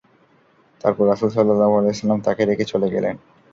তারপর রাসূল সাল্লাল্লাহু আলাইহি ওয়াসাল্লাম তাকে রেখে চলে গেলেন।